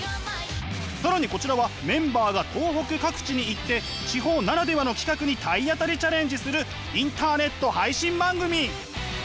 更にこちらはメンバーが東北各地に行って地方ならではの企画に体当たりチャレンジするインターネット配信番組。